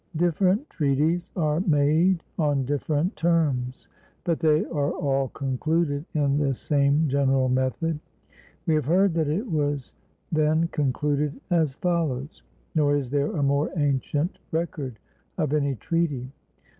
Different treaties are made on different terms, but they are all concluded in the same general method. We have heard that it was then concluded as follows, nor is there a more ancient record of any treaty.